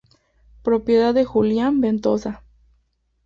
Propiedad de Julián Ventosa.